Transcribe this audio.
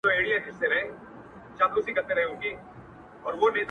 په یوه او بل نامه یې وو بللی-